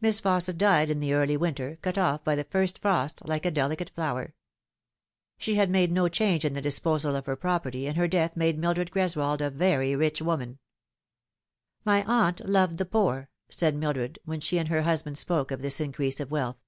Miss Fausset died in the early winter, cut off by the first frost, like a delicate flower. She had made no change in the disposal of her property, and her death made Mildred Greswold a very rich woman " My aunt loved the poor," said Mildred, when she and her husband spoke of this increase of wealth.